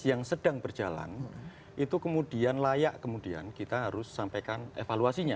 yang sedang berjalan itu kemudian layak kemudian kita harus sampaikan evaluasinya